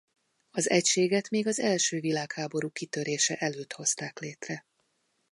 Az egységet még az első világháború kitörése előtt hozták létre.